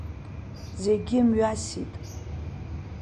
Зегьы мҩасит.